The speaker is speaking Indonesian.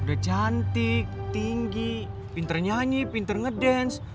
udah cantik tinggi pinter nyanyi pinter ngedance